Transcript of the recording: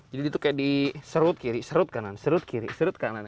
jadi itu kayak diserut kiri serut kanan serut kiri serut kanan